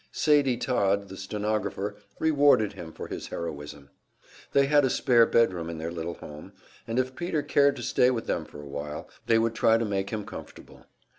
Sadie Todd, the stenographer, rewarded him for his heroism. They had a spare bedroom in their little home, and if Peter cared to stay with them for a while, they would try to make him comfortable.